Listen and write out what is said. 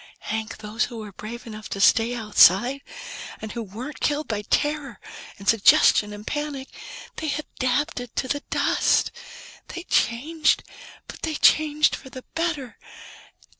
Hank, those who were brave enough to stay outside, and who weren't killed by terror and suggestion and panic they adapted to the dust. They changed, but they changed for the better.